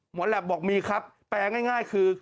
แหลปบอกมีครับแปลง่ายคือ